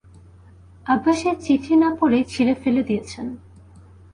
আব্বা সেই চিঠি না-পড়েই ছিঁড়ে ফেলে দিয়েছেন।